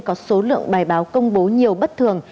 có số lượng bài báo công bố nhiều bất thường